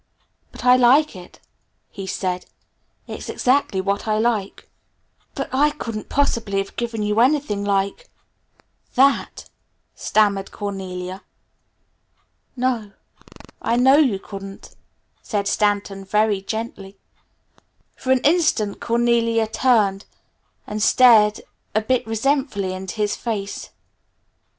"But I like it," he said. "It's exactly what I like." "But I couldn't possibly have given you anything like that," stammered Cornelia. "No, I know you couldn't," said Stanton very gently. For an instant Cornelia turned and stared a bit resentfully into his face.